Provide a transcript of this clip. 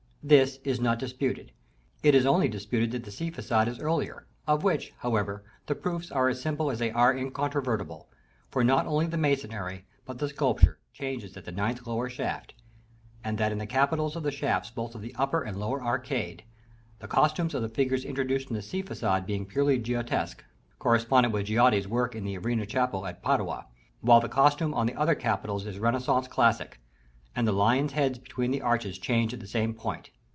This is not disputed; it is only disputed that the sea façade is earlier; of which, however, the proofs are as simple as they are incontrovertible: for not only the masonry, but the sculpture, changes at the ninth lower shaft, and that in the capitals of the shafts both of the upper and lower arcade: the costumes of the figures introduced in the sea façade being purely Giottesque, correspondent with Giotto's work in the Arena Chapel at Padua, while the costume on the other capitals is Renaissance Classic: and the lions' heads between the arches change at the same point.